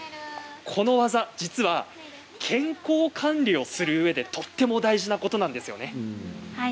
この技、実は健康管理をするうえでとても大事なことなんです。